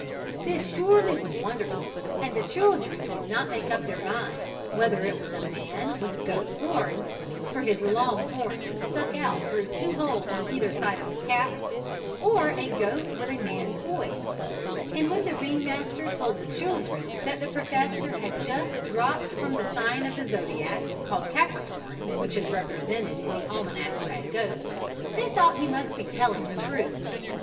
This surely was wonderful, and the children could not make up their minds whether it was a man with goat's horns, for his long horns stuck out through two holes on either side of his cap, or a goat with a man's voice; and when the Ring Master told the children that the professor had just dropped from the sign of the Zodiac called Capricorn, which is represented in all the almanacs by a goat, they thought he must be telling the truth.